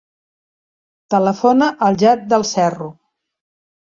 Telefona al Jad Del Cerro.